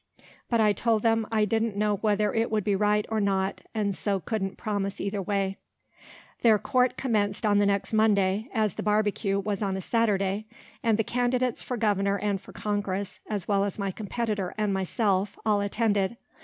But I told them I didn't know whether it would be right or not, and so couldn't promise either way. Their court commenced on the next Monday, as the barbacue was on a Saturday, and the candidates for governor and for Congress, as well as my competitor and myself, all attended.